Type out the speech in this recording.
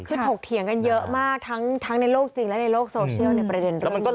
คือถกเถียงกันเยอะมากทั้งในโลกจริงและในโลกโซเชียลในประเด็นเรื่องนี้